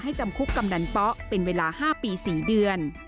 จำคุกกำนันป๊ะเป็นเวลา๕ปี๔เดือน